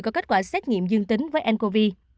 có kết quả xét nghiệm dương tính với ncov